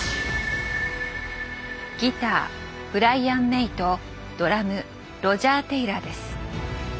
ギターブライアン・メイとドラムロジャー・テイラーです。